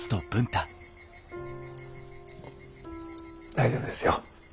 大丈夫ですよ。